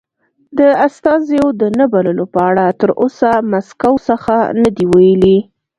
د استازیو د نه بللو په اړه تر اوسه مسکو څه نه دې ویلي.